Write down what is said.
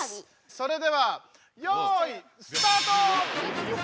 それではよいスタート！